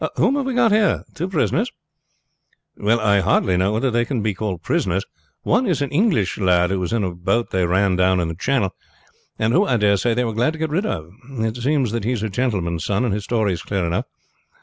Whom have we got here two prisoners?" "Well, I hardly know whether they can be called prisoners. One is an English lad who was in a boat they run down in the channel, and who, I dare say, they were glad to get rid of. It seems that he is a gentleman's son, and his story is clear enough.